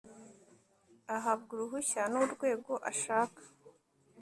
ahabwa uruhushya n'urwego ashaka